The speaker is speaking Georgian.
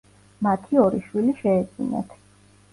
მათი ორი შვილი შეეძინათ.